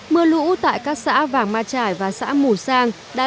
mưa lũ tại các xã vàng ma trải và xã mù sang